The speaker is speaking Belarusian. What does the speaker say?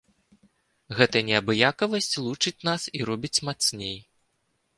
Гэтая неабыякавасць лучыць нас і робіць мацней.